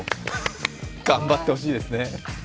頑張ってほしいですね。